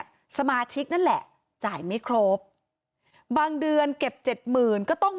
และมีการเก็บเงินรายเดือนจริง